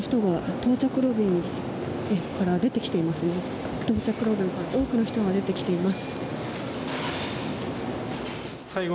到着ロビーから多くの人が出てきています。